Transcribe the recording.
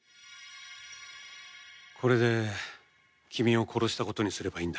これで君を殺したことにすればいいんだね？